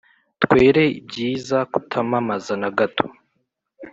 'twere byiza kutamamaza na gato,